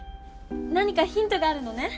何かヒントがあるのね？